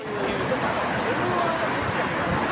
でもＭ−１は確かに思った。